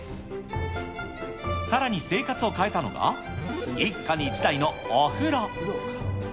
さらに生活を変えたのが、一家に一台のお風呂。